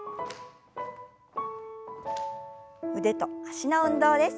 腕と脚の運動です。